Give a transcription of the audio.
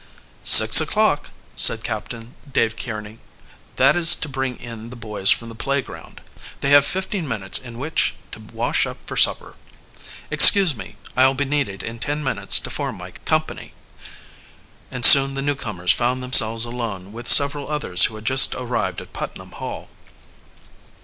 "Six o'clock," said Captain Dave Kearney. "That is to bring in the boys from the playground. They have fifteen minutes in which to wash up for supper. Excuse me, I'll be needed in ten minutes to form my company," and soon the newcomers found themselves alone with several others who had just arrived at Putnam Hall.